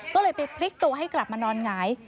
ก็เลยไปพลิกตัวให้กลับมานอนหงาย